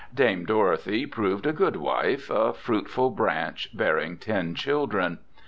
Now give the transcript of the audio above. Dame Dorothy proved a good wife, a fruitful branch, bearing ten children.